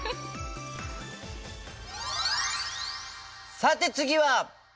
さて次は！